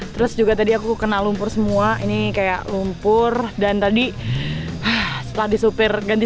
terus juga tadi aku kena lumpur semua ini kayak lumpur dan tadi setelah disupir ganti